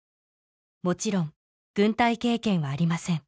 もちろん軍隊経験はありません